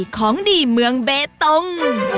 ของดีเมืองเบตง